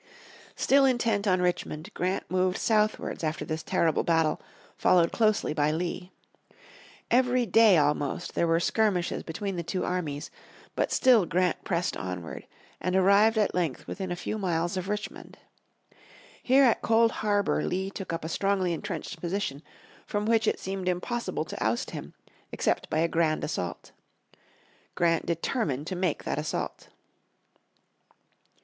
Still intent on Richmond, Grant moved southwards after this terrible battle, followed closely by Lee. Everyday almost there were skirmishes between the two armies, but still Grant pressed onward and arrived at length within a few miles of Richmond. Here at Cold Harbor Lee took up a strongly entrenched position from which it seemed impossible to oust him, except by a grand assault. Grant determined to make that assault.